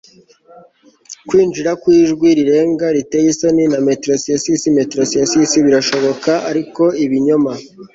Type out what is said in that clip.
Kwinjira kwijwi rirenga riteye isoni na meretricious meretricious birashoboka ariko ibinyoma